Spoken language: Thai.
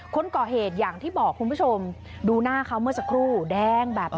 คนก่อเหตุอย่างที่บอกคุณผู้ชมดูหน้าเขาเมื่อสักครู่แดงแบบนี้